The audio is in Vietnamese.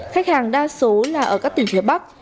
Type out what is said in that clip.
khách hàng đa số là ở các tỉnh phía bắc